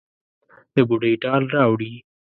د بوډۍ ټال راوړي